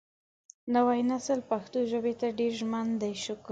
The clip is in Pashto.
نوی نسل پښتو ژبې ته ډېر ژمن دی شکر